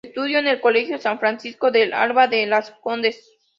Estudió en el Colegio San Francisco del Alba de Las Condes.